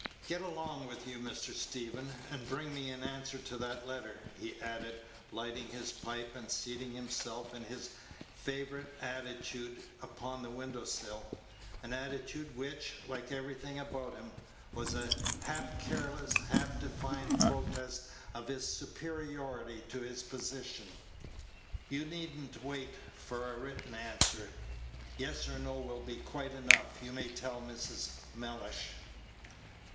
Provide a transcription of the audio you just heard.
"Get along with you, Mr. Stephen, and bring me an answer to that letter," he added, lighting his pipe, and seating himself in his favorite attitude upon the windowsill an attitude which, like everything about him, was a half careless, half defiant protest of his superiority to his position. "You need n't wait for a written answer. Yes or no will be quite enough, you may tell Mrs. Mellish."